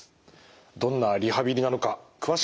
どんなリハビリなのか詳しく伺っていきましょう。